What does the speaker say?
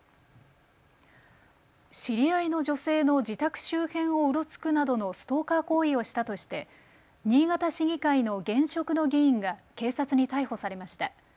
知り合いの女性の自宅周辺をうろつくなどのストーカー行為をしたとして新潟市議会の現職の議員が警察に逮捕されました。